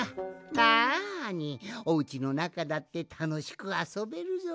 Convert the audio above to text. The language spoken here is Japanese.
なにおうちのなかだってたのしくあそべるぞい。